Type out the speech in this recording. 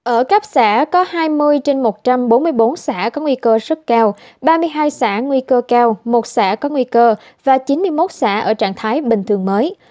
ở cấp xã có hai mươi trên một trăm bốn mươi bốn xã có nguy cơ rất cao ba mươi hai xã nguy cơ cao một xã có nguy cơ và chín mươi một xã ở trạng thái bình thường mới